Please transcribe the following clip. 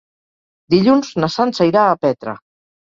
Dilluns na Sança irà a Petra.